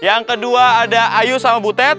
yang kedua ada ayu sama butet